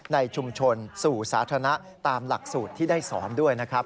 ในชุมชนสู่สาธารณะตามหลักสูตรที่ได้สอนด้วยนะครับ